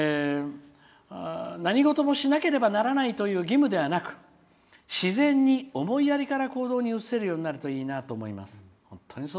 「何事もしなければならないという義務ではなく自然に思いやりから行動に移せるようになるといいなと思います」。